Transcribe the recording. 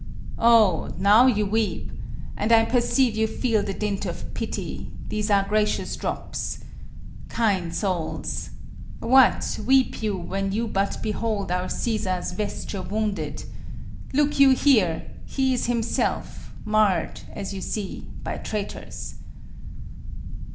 Oh! now you weep; and I perceive you feel The dint of pity; these are gracious drops. Kind souls! what, weep you, when you but behold Our Cæsar's vesture wounded? Look you here! Here is himself, mar'd, as you see, by traitors.